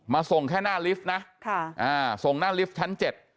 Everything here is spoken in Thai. ส่งแค่หน้าลิฟต์นะค่ะอ่าส่งหน้าลิฟท์ชั้นเจ็ด